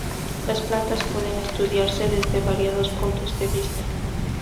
Las plantas pueden estudiarse desde variados puntos de vista.